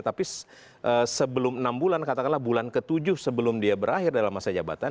tapi sebelum enam bulan katakanlah bulan ke tujuh sebelum dia berakhir dalam masa jabatan